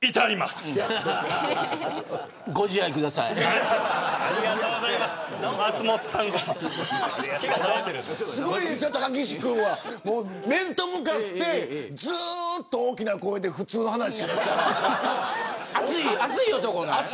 すごいですよ、高岸君は。面と向かって、ずっと大きな声で普通の話しますから。